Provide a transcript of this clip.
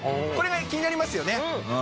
これ気になりますよね。